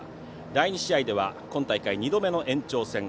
第２試合では今大会２度目の延長戦。